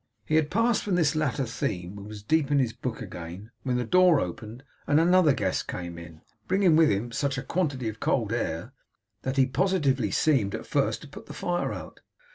He had passed from this latter theme and was deep in his book again, when the door opened, and another guest came in, bringing with him such a quantity of cold air, that he positively seemed at first to put the fire out.